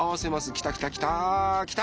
きたきたきたきた！